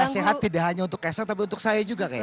beri nasihat tidak hanya untuk kesang tapi untuk saya juga kayaknya